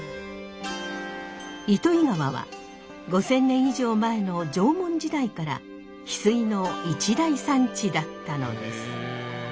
糸魚川は５，０００年以上前の縄文時代から翡翠の一大産地だったのです。